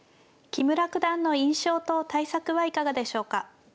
木村九段の印象と対策はいかがでしょうか。